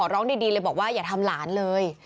ร้องดีเลยบอกว่าอย่าทำหลานเลย